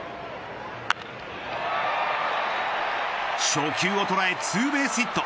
初球を捉え、ツーベースヒット。